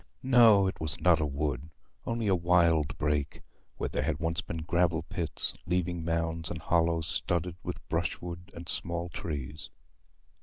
No, it was not a wood, only a wild brake, where there had once been gravel pits, leaving mounds and hollows studded with brushwood and small trees.